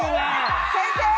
先生！